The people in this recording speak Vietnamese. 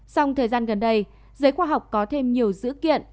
song thời gian gần đây giới khoa học có thêm nhiều dữ kiện